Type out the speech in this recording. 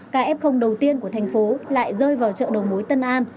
kf đầu tiên của thành phố lại rơi vào chợ đầu mối tân an